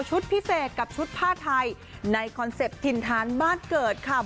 พิเศษกับชุดผ้าไทยในคอนเซ็ปต์ถิ่นฐานบ้านเกิดค่ะ